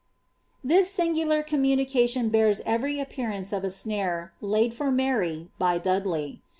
This singular communication bears every appearance of a snare, laid for Mary, by Dudley.